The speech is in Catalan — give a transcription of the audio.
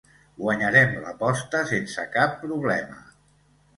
Guanyarem l'aposta sense cap problema”.